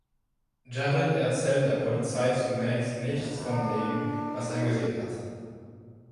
Jared erzählt der Polizei zunächst nichts von dem, was er gesehen hat.